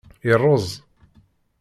Yerreẓ.